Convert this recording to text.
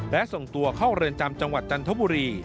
และส่งตัวเข้าเรือนจำจังหวัดจันทบุรี